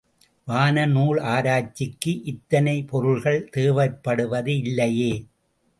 வான நூல் ஆராய்ச்சிக்கு இத்தனை பொருள்கள் தேவைப்படுவது இல்லையே.